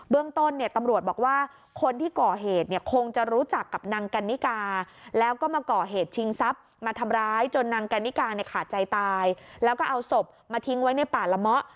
ต้นเนี่ยตำรวจบอกว่าคนที่ก่อเหตุเนี่ยคงจะรู้จักกับนางกันนิกาแล้วก็มาก่อเหตุชิงทรัพย์มาทำร้ายจนนางกันนิกาเนี่ยขาดใจตายแล้วก็เอาศพมาทิ้งไว้ในป่าละเมาะ